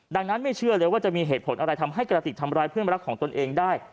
ดังนั้นไม่เชื่อเลยว่าจะมีเหตุผลอะไรทำให้กระติกทำร้ายเพื่อนรักของตนเองได้